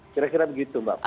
kira kira begitu mbak